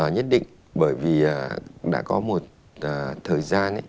nhất định bởi vì đã có một thời gian